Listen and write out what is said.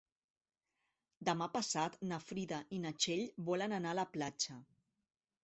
Demà passat na Frida i na Txell volen anar a la platja.